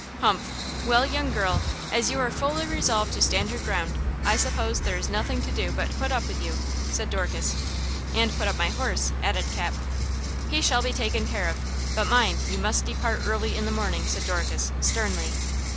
"Humph! Well, young girl, as you are fully resolved to stand your ground. I suppose there is nothing to do but to put up with you!" said Dorcas. "And put up my horse," added Cap. "He shall be taken care of! But mind, you must depart early in the morning!" said Dorcas, sternly.